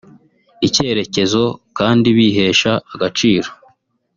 icyerekezo kandi bihesha agaciro